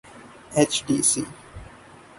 H T C